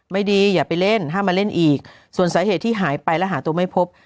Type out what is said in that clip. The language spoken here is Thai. ไม่ดีอย่าไปเล่นห้ามมาเล่นอีกส่วนสาเหตุที่หายไปแล้วหาตัวไม่พบ